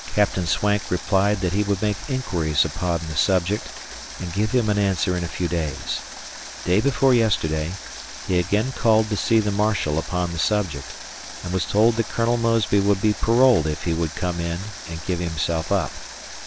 Capt. Swank replied that he would make inquiries upon the subject, and give him an answer in a few days. Day before yesterday, he again called to see the marshal upon the subject, and was told that Col. Mosby would be paroled if he would come in and give himself up.